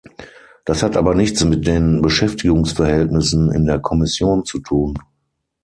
Das hat aber nichts mit den Beschäftigungsverhältnissen in der Kommission zu tun.